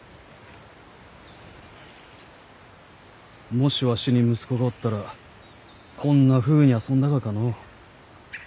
もしわしに息子がおったらこんなふうに遊んだがかのう？